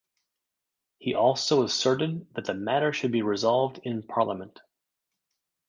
He also asserted that the matter should be resolved in parliament.